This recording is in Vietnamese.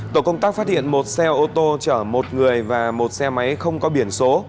tổ công tác phát hiện một xe ô tô chở một người và một xe máy không có biển số